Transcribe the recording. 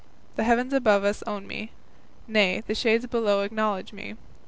The heavens above us own me; nay, The shades below acknowledge me.